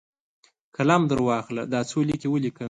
قلم درواخله ، دا څو لیکي ولیکه!